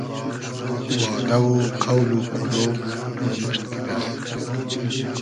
وادۂ و قۆل و قورۉ پورموشت کیدۂ